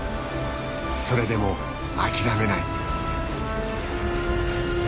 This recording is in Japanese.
それでも諦めない。